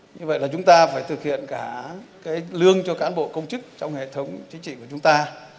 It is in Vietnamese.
như vậy là chúng ta phải thực hiện cả cái lương cho cán bộ công chức trong hệ thống chính trị của chúng ta